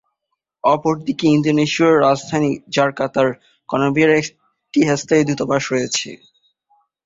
অপরদিকে, ইন্দোনেশিয়ার রাজধানী জাকার্তায় কলম্বিয়ার একটি স্থায়ী দূতাবাস রয়েছে।